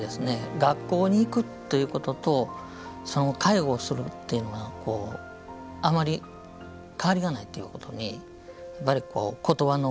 学校に行くということと介護をするっていうのはこうあまり変わりがないっていうことにやっぱりこう言葉の重みを感じますね。